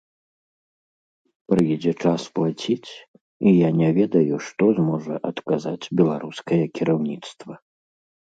Прыйдзе час плаціць, і я не ведаю, што зможа адказаць беларускае кіраўніцтва.